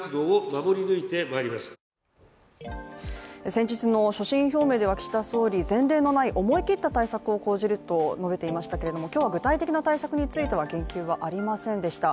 先日の所信表明では岸田総理、前例のない思い切った対策を講じると述べていましたけれども今日は具体的な対策については言及はありませんでした。